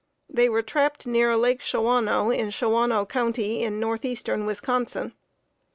They were trapped near Lake Shawano, in Shawano County in northeastern Wisconsin.